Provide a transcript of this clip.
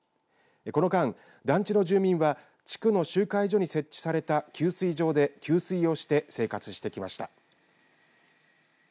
この間、団地の住民は地区の集会所に設置された給水場で給水をして生活してきました。